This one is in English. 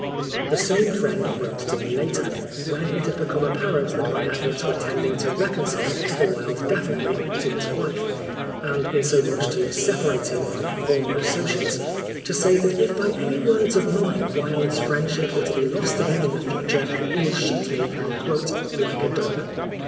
The same friend wrote to me later, when it had become apparent that my efforts were tending to reconcile Oscar Wilde definitely to his wife, and insomuch to separate him from former associates, to say that if by any words of mine Wilde's friendship were to be lost to him in the future, he would shoot me " like a dog."